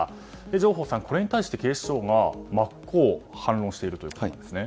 上法さん、これに対して警視庁が真っ向反論しているんですね。